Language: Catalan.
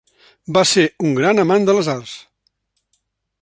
Va ser un gran amant de les arts.